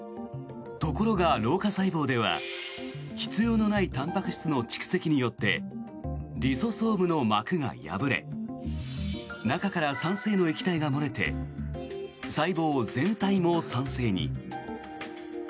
ところが、老化細胞では必要のないたんぱく質の蓄積によってリソソームの膜が破れ中から酸性の液体が漏れて細胞全体も酸性に。